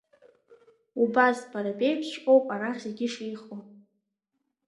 Убас, бара беиԥшҵәҟьоуп арахь зегьы шеихо.